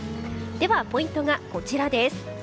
では、ポイントはこちらです。